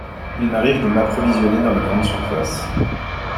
Il m’arrive de m’approvisionner dans les grandes surfaces.